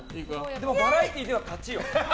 でもバラエティーでは勝ちよ。